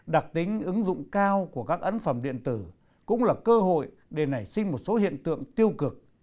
đặc tính ứng dụng cao của các ấn phẩm điện tử cũng là cơ hội để nảy sinh một số hiện tượng tiêu cực